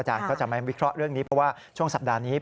ก็จะไม่วิเคราะห์เรื่องนี้เพราะว่าช่วงสัปดาห์นี้